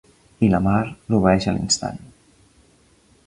I la Mar l'obeeix a l'instant.